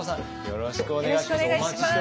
よろしくお願いします。